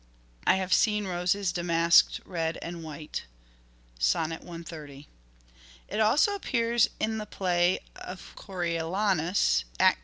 "I have seen roses damask'd red and white. (Sonnet 130.) It also appears in the play of " Coriolanus " (II.